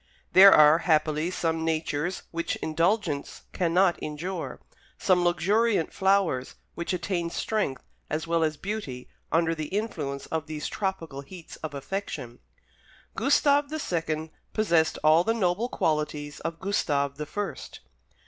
There are, happily, some natures which indulgence cannot injure; some luxuriant flowers which attain strength as well as beauty under the influence of these tropical heats of affection. Gustave the second possessed all the noble qualities of Gustave the first.